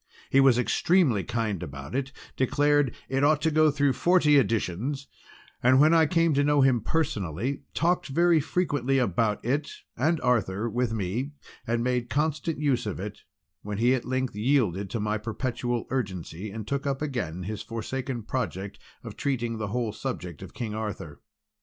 He was extremely kind about it declared 'it ought to go through forty editions' and when I came to know him personally talked very frequently about it and Arthur with me, and made constant use of it when he at length yielded to my perpetual urgency and took up again his forsaken project of treating the whole subject of King Arthur.